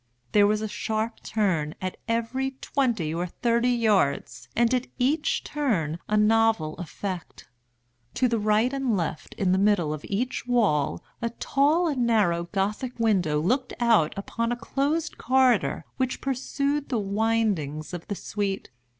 There was a sharp turn at every twenty or thirty yards, and at each turn a novel effect. To the right and left, in the middle of each wall, a tall and narrow Gothic window looked out upon a closed corridor which pursued the windings of the suite.